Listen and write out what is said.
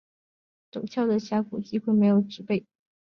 陡峭的峡谷壁几乎没有植被。